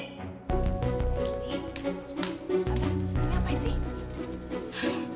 apa ini apaan sih